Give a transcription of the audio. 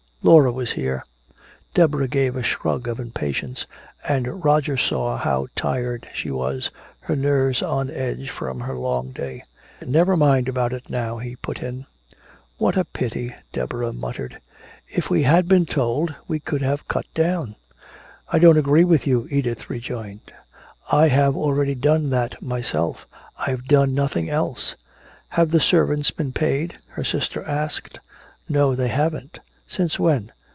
"Laura was here." Deborah gave a shrug of impatience, and Roger saw how tired she was, her nerves on edge from her long day. "Never mind about it now," he put in. "What a pity," Deborah muttered. "If we had been told, we could have cut down." "I don't agree with you!" Edith rejoined. "I have already done that myself! I've done nothing else!" "Have the servants been paid?" her sister asked. "No, they haven't " "Since when?"